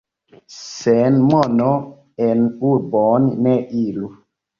Sen mono en urbon ne iru.